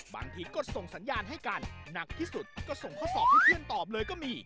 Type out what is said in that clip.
บางทีก็ส่งสัญญาณให้กันหนักที่สุดก็ส่งข้อสอบให้เพื่อนตอบเลยก็มี